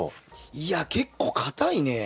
いや結構かたいね。